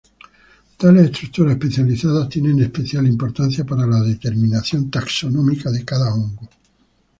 Tales estructuras especializadas tienen especial importancia para la determinación taxonómica de cada hongo.